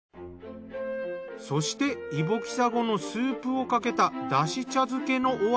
そしてイボキサゴのスープをかけただし茶漬けのお味は。